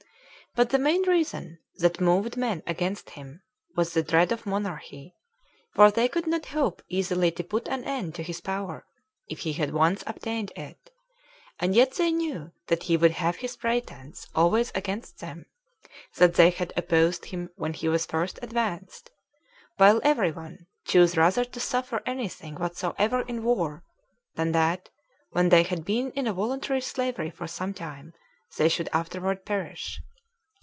But the main reason that moved men against him was the dread of monarchy, for they could not hope easily to put an end to his power, if he had once obtained it; and yet they knew that he would have this pretense always against them, that they had opposed him when he was first advanced; while every one chose rather to suffer any thing whatsoever in war, than that, when they had been in a voluntary slavery for some time, they should afterward perish.